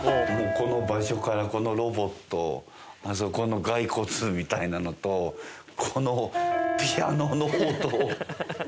もうこの場所から、このロボット、まずこの骸骨みたいなのと、このピアノの音。